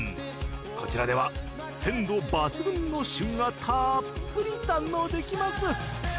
こちらでは鮮度抜群の旬がたっぷり堪能できます。